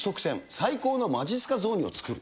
最高のまじっすか雑煮を作る！